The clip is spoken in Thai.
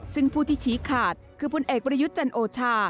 ซึ่งผู้ที่ชี้ขาดคือพลเอกประยุทธ์จันโอชา